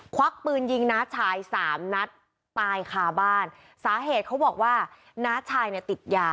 ควักปืนยิงน้าชายสามนัดตายคาบ้านสาเหตุเขาบอกว่าน้าชายเนี่ยติดยา